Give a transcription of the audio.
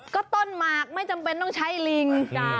ก็ต้นหมากไม่จำเป็นต้องใช้ลิง